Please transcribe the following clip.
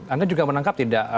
anda juga menangkap tidak